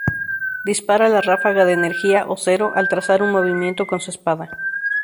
Dispara la ráfaga de energía o "Cero" al trazar un movimiento con su espada.